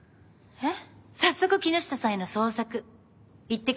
えっ？